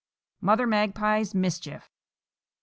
MOTHER MAGPIE'S MISCHIEF.